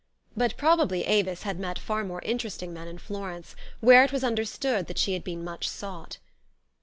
But probably Avis had met far more interesting men in Florence, where it was understood that she had been much sought.